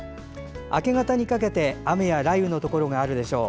明け方にかけて雨や雷雨のところがあるでしょう。